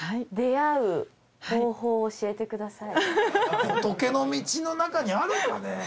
じゃあ仏の道の中にあるかね？